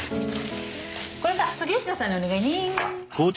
これさ杉下さんにお願いね。